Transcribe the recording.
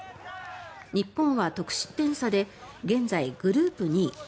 日本は得失点差で現在、グループ２位。